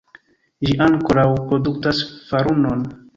Ĝi ankoraŭ produktas farunon.